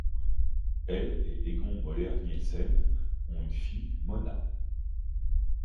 Elle et Egon Møller-Nielsen ont une fille, Mona.